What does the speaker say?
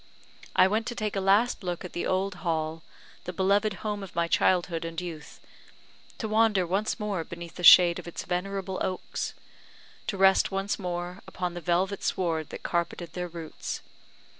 I went to take a last look at the old Hall, the beloved home of my childhood and youth; to wander once more beneath the shade of its venerable oaks to rest once more upon the velvet sward that carpeted their roots.